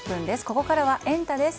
ここからはエンタ！です。